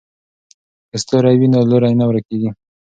که ستوری وي نو لوری نه ورکیږي.